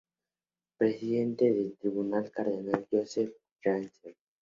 Presidente del tribunal: Cardenal Joseph Ratzinger.